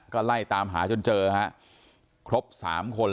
ก็ไล่ตามหาจนเจอฮะครบ๓คน